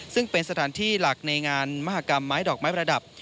ซึ่งเป็นสถานที่หลักในงานมหากรรมไม้ดอกไม้ประดับ